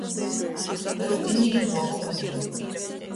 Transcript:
Rudinī i buoba gudra.